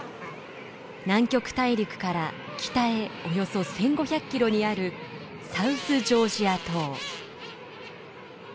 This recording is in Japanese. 南極大陸から北へおよそ１，５００キロにあるサウスジョージア島。